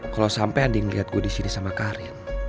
kalo sampe andi ngeliat gue disini sama karin